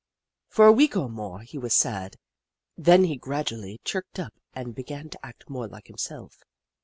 For a week or more he was sad, then he gradually chirked up and began to act more like himself.